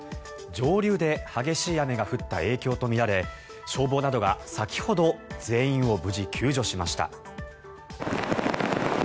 上流で激しい雨が降った影響とみられ消防などが先ほど全員を無事、救助しました。